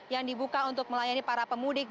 yang dibuka untuk melayani para pemudik